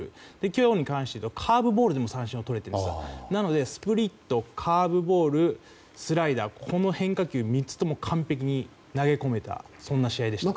今日に関して言うとカーブでも三振をとれていたのでスプリット、カーブボールスライダー、この変化球を３つとも完璧に投げ込めた試合でした。